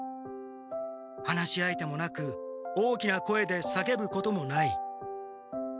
話し相手もなく大きな声でさけぶこともない。